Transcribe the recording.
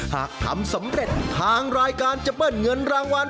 หากทำสำเร็จทางรายการจะเบิ้ลเงินรางวัล